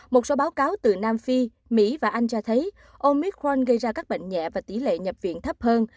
một số báo cáo từ nam phi mỹ và anh cho thấy omicwan gây ra các bệnh nhẹ và tỷ lệ nhập viện thấp hơn